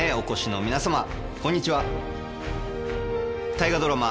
大河ドラマ